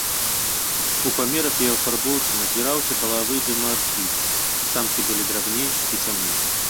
У памерах і афарбоўцы назіраўся палавы дымарфізм, самкі былі драбней і цямней.